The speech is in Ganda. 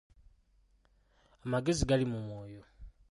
Amagezi gali mu mwoyo.